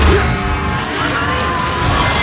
lagi tuh sendirian lagi